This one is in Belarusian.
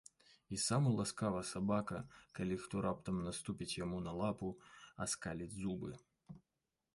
І самы ласкавы сабака, калі хто раптам наступіць яму на лапу, аскаліць зубы.